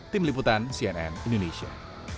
tim liputan cnn indonesia